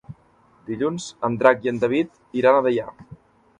Dilluns en Drac i en David iran a Deià.